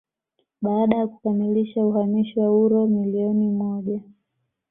baada ya kukamilisha uhamisho wa uro milioni moja